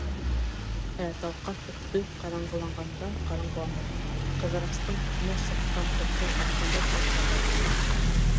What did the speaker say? Ә Талҡаҫ өҫтө ҡараңғыланғандан-ҡараңғылана, Ҡыҙырастың төҫөнә сыҡҡан ҡурҡыу артҡандан-арта барҙы.